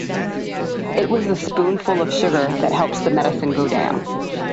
It was the spoonful of sugar that helps the medicine go down.